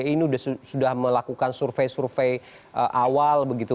teman teman di fsg ini sudah melakukan survei survei awal begitu